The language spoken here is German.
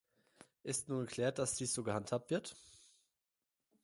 Ist nun geklärt, dass dies so gehandhabt wird?